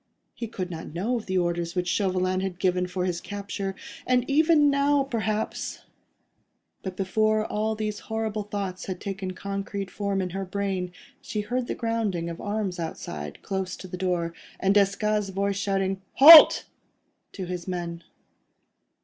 He could not know of the orders which Chauvelin had given for his capture, and even now, perhaps ... But before all these horrible thoughts had taken concrete form in her brain, she heard the grounding of arms outside, close to the door, and Desgas' voice shouting "Halt!" to his men.